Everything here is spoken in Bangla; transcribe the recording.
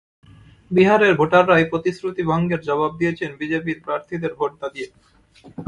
বিহারের ভোটাররা এই প্রতিশ্রুতি ভঙ্গের জবাব দিয়েছেন বিজেপির প্রার্থীদের ভোট না দিয়ে।